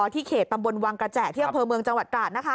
ที่เขตประมวลวังกระแจเที่ยวเผลอเมืองจังหวัดตราศนะคะ